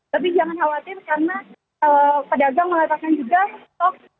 tapi jangan khawatir karena pedagang mengatakan juga stok